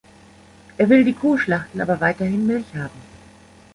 Er will die Kuh schlachten, aber weiterhin Milch haben.